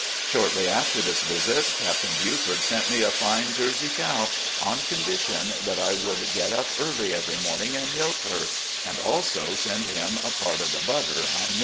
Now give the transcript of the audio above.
" Shortly after this visit Captain Buford sent me a fine Jersey cow, on condition that I would get up early every morning and milk her, and also send him a part of the butter I made."